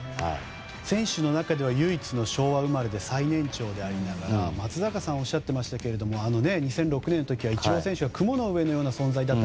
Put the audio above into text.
選手の中では唯一の昭和生まれで最年長でありながら松坂さんもおっしゃってましたが２００６年の時はイチロー選手は雲の上のような存在だった。